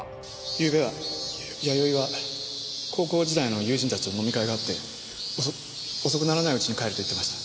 ゆうべは弥生は高校時代の友人たちと飲み会があって遅遅くならないうちに帰ると言ってました。